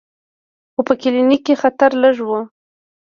خو په کلینیک کې خطر لږ و.